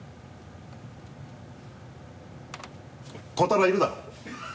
瑚太郎いるだろ？